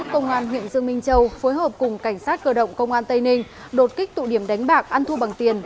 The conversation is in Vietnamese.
công an huyện dương minh châu phối hợp cùng cảnh sát cơ động công an tây ninh đột kích tụ điểm đánh bạc ăn thua bằng tiền